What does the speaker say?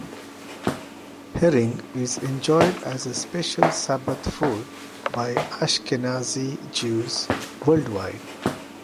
Herring is enjoyed as a special Sabbath food by Ashkenazi Jews worldwide.